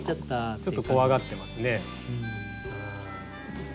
ちょっと怖がってますね。